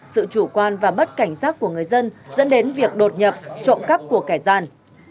sự chủ quan và bất cảnh sát của người dân dẫn đến việc đột nhập trộm cấp của kẻ gian